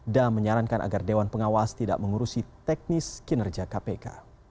dan menyarankan agar dewan pengawas tidak mengurusi teknis kinerja kpk